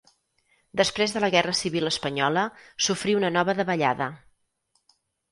Després de la Guerra Civil espanyola sofrí una nova davallada.